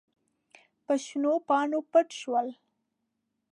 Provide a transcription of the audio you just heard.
په شنو پاڼو پټ شول.